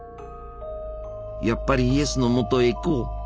やっぱりイエスのもとへ行こう！